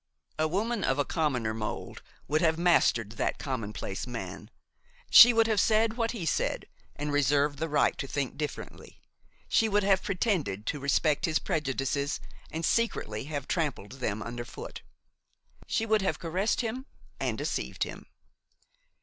A woman of a commoner mould would have mastered that commonplace man; she would have said what he said and reserved the right to think differently; she would have pretended to respect his prejudices and secretly have trampled them under foot; she would have caressed him and deceived him.